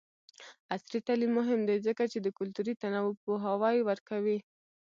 عصري تعلیم مهم دی ځکه چې د کلتوري تنوع پوهاوی ورکوي.